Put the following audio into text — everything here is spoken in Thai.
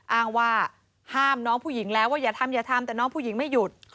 อ้างว่าห้ามน้องผู้หญิงแล้วว่าอย่าทำอย่าทำแต่น้องผู้หญิงไม่หยุด